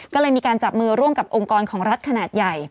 ก็เลยมีการจับมือร่วมกับองค์กรของรัฐขนาดใหญ่